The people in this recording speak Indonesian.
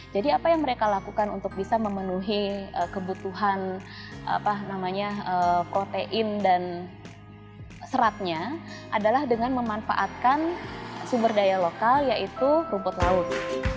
jadi apa yang mereka lakukan untuk bisa memenuhi kebutuhan protein dan seratnya adalah dengan memanfaatkan sumber daya lokal yaitu rumput laut